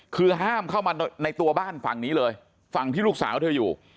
คือห้ามเข้ามาในตัวบ้านฝั่งนี้เลยฝั่งที่ลูกสาวเธออยู่